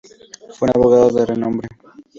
Fue un abogado de renombre.